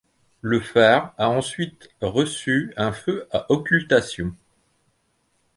Le phare a ensuite reçu un feu à occultations.